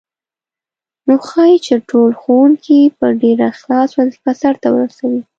نو ښايي چې ټول ښوونکي په ډېر اخلاص وظیفه سرته ورسوي.